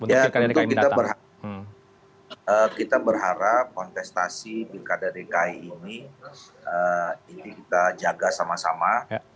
ya kita berharap kontestasi pilkada dki ini kita jaga sama sama